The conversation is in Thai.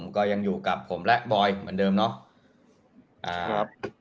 ก็ยังอยู่กับผมและบอยเหมือนเดิมเนาะ